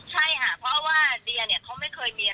ใช่ค่ะเพราะว่าเดียเนี่ย